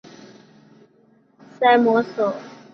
于同年继任家督并成为萨摩守。